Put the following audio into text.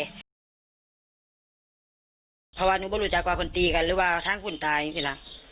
เพราะว่าหนูไม่รู้จักว่าคุณตีกันหรือว่าทั้งคนตายสิล่ะ